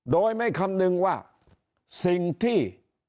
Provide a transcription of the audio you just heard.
โดยไม่คำนึงว่าสิ่งที่